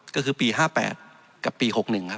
ก็คือปี๕๘กับปี๖๑